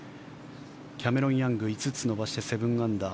キャメロン・ヤング５つ伸ばして７アンダー。